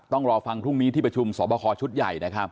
ต้องรอฟังพรุ่งนี้ที่ประชุมสอบคอชุดใหญ่นะครับ